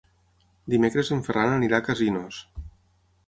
Dimecres en Ferran anirà a Casinos.